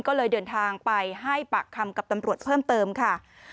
ก็เลยเดินทางไปให้ปากคำกับตำรวจเพิ่มเติมค่ะ